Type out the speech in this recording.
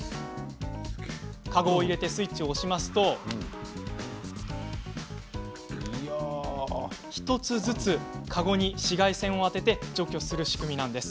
カゴを入れて、スイッチを押すと１つずつ、カゴに紫外線を当てて除去する仕組みなんです。